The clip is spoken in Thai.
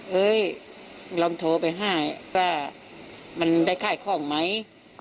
เฮ้ยเราโทรไปห้ายว่ามันได้ค่ายข้องไหม